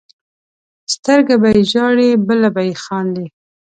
سترګه به یې ژاړي بله به یې خاندي.